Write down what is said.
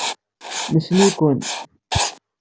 Nessen-iken.